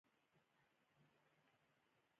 ژبه او وینا د عصبي سیستم او مغزو سره مستقیمه اړیکه لري